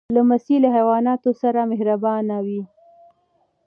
لمسی له حیواناتو سره مهربانه وي.